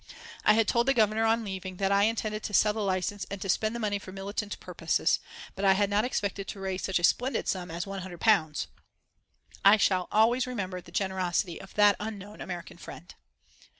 I had told the Governor on leaving that I intended to sell the licence and to spend the money for militant purposes, but I had not expected to raise such a splendid sum as one hundred pounds. I shall always remember the generosity of that unknown American friend.